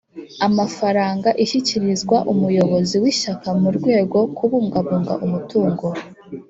Amafaranga ishyikirizwa umuyobozi w’Ishyaka mu rwego kubungabunga umutungo